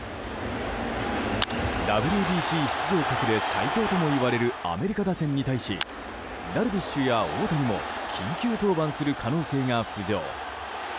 ＷＢＣ出場国で最強ともいわれるアメリカ打線に対しダルビッシュや大谷も緊急登板する可能性が浮上。